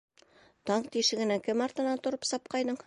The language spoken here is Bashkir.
Таң тишегенән кем артынан тороп сапҡайның?